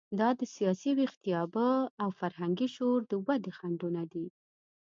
دا د سیاسي ویښتیابه او فرهنګي شعور د ودې خنډونه دي.